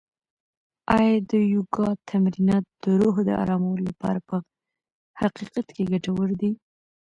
آیا د یوګا تمرینات د روح د ارامولو لپاره په حقیقت کې ګټور دي؟